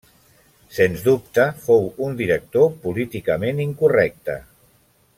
Sens dubte fou un director políticament incorrecte.